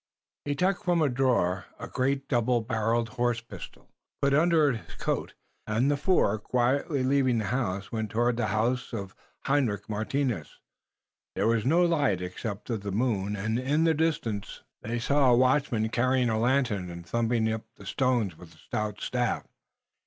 He took from a drawer a great double barreled horse pistol, put it under his coat, and the four, quietly leaving the house, went toward that of Hendrik Martinus. There was no light except that of the moon and, in the distance, they saw a watchman carrying a lantern and thumping upon the stones with a stout staff.